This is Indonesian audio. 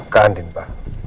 ke andin pa